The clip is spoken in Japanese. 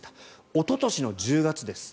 おととしの１０月です。